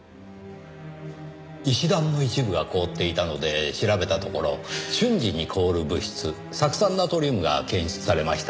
石段の一部が凍っていたので調べたところ瞬時に凍る物質酢酸ナトリウムが検出されました。